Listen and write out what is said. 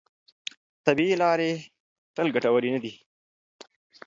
طبیعي لارې تل ګټورې نه دي.